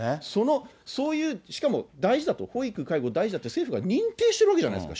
そういう、しかも大事だと、介護、保育大事だって政府が認定してるわけじゃないですか。